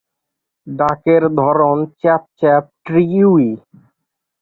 ডাকের ধরন চ্যাপ-চ্যাপ-ট্রিউয়ি।